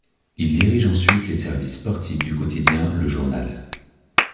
Il dirige ensuite les services sportifs du quotidien Le Journal.